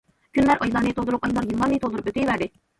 كۈنلەر ئايلارنى تولدۇرۇپ، ئايلار يىللارنى تولدۇرۇپ ئۆتۈۋەردى.